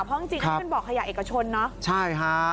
จริงก็เป็นบ่อขยะเอกชนนะใช่ฮะ